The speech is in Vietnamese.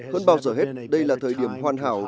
hơn bao giờ hết đây là thời điểm hoàn hảo